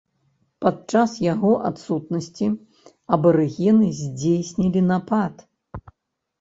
Падчас яго адсутнасці абарыгены здзейснілі напад.